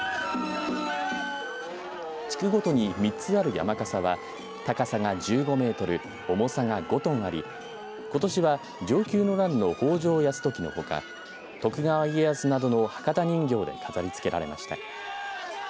地区ごとに３つある山かさは高さが１５メートル、重さが５トンあり、ことしは承久の乱の北条泰時のほか徳川家康などの博多人形で飾りつけられました。